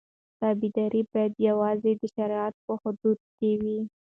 تابعداري باید یوازې د شریعت په حدودو کې وي.